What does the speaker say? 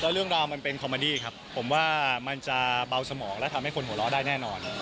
เรื่องราวมันเป็นคอมเมดี้ครับผมว่ามันจะเบาสมองและทำให้คนหัวเราะได้แน่นอน